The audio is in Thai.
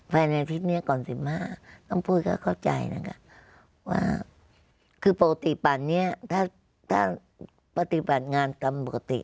๒วันในอาทิตย์นี้ก่อน๑๕ต้องพูดเขาก็เข้าใจนะครับ